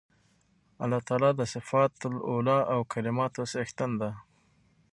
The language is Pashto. الله تعالی د صفات العُلی او کمالاتو څښتن دی